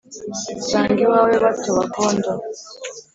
nsanga iwawe batoba akondo